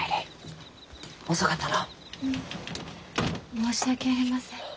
申し訳ありません。